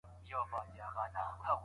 ژوند باید خراب نه سي.